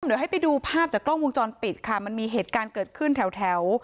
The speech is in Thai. เดี๋ยวให้ไปดูภาพจากกล้องวงจรปิดค่ะมันมีเหตุการณ์เกิดขึ้นแถวแถว